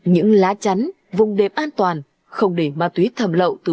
những lá chắn vùng đẹp an toàn không để ma tuy thầm lậu